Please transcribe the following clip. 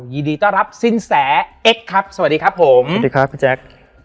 ยินดีต้อนรับสินแสเอ็กซ์ครับสวัสดีครับผมสวัสดีครับพี่แจ๊ค